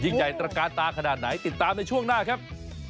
ใหญ่ตระกาลตาขนาดไหนติดตามในช่วงหน้าครับ